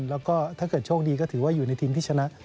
แล้วก็ถ้าเกิดโชคดีก็ถือว่าอยู่ในทีมที่ชนะ